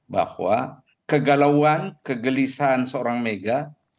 bahwa kegalauan kegelisahan seorang mega